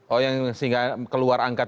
oh yang sehingga keluar angka tiga belas